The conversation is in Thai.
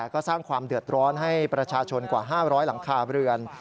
ก็สร้างความเดือดร้อนให้ประชาชนกว่า๕๐๐หลังคาเรือน